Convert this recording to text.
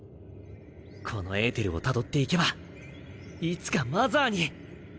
このエーテルをたどっていけばいつかマザーに。